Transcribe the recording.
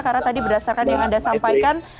karena tadi berdasarkan yang anda sampaikan